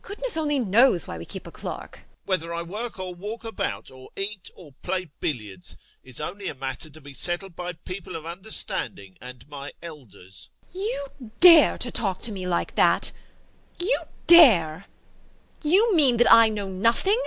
Goodness only knows why we keep a clerk. EPIKHODOV. [Offended] Whether I work, or walk about, or eat, or play billiards, is only a matter to be settled by people of understanding and my elders. VARYA. You dare to talk to me like that! [Furious] You dare? You mean that I know nothing?